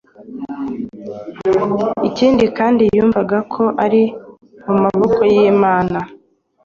Ikindi kandi, yumvaga ko ari mu maboko y’Imana